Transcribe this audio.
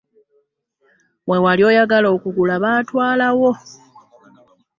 We wali oyagala okugula baatwalawo.